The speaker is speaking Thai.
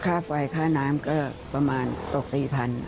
ค่าไฟค่าน้ำก็ประมาณตก๔๐๐บาท